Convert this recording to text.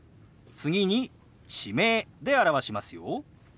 次に地名で表しますよ。